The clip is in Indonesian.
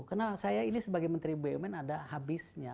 karena saya ini sebagai menteri bumn ada habisnya